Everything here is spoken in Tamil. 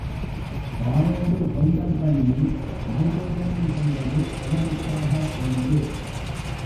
பாலோடு பொங்கல் பண்ணி நைவேதனம் செய்வது அவனுக்காக அன்று.